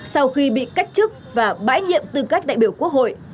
sau khi bị cách chức và bãi nhiệm tư cách đại biểu quốc hội